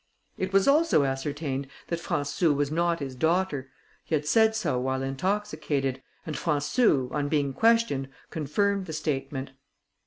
It was also ascertained that Françou was not his daughter; he had said so while intoxicated, and Françou, on being questioned, confirmed the statement.